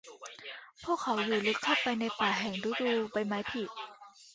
พวกเขาอยู่ลึกเข้าไปในป่าแห่งฤดูใบไม้ผลิ